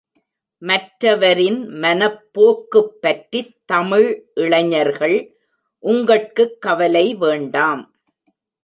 மற்றவரின் மனப்போக்குப் பற்றித் தமிழ் இளைஞர்கள் உங்கட்குக் கவலை வேண்டாம்.